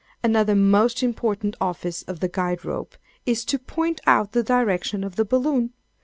Another most important office of the guide rope, is to point out the direction of the balloon.